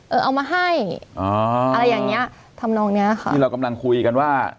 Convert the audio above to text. เอามาให้อ๋ออะไรอย่างเงี้ยทำนองเนี้ยค่ะที่เรากำลังคุยกันว่า